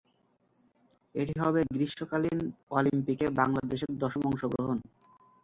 এটি হবে গ্রীষ্মকালীন অলিম্পিকে বাংলাদেশের দশম অংশগ্রহণ।